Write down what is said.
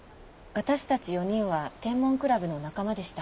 私たち４人は天文クラブの仲間でした。